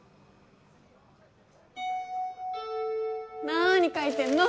なに書いてんの？